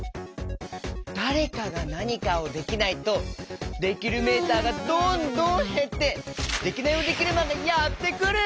だれかがなにかをできないとできるメーターがどんどんへってデキナイヲデキルマンがやってくる！